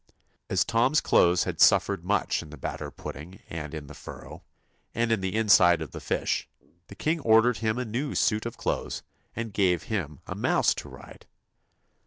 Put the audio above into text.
As Tom's clothes had suffered much in the batter pudding and in the furrow, and in the inside of the fish, the king ordered him a new suit of clothes, and gave him a mouse to ride.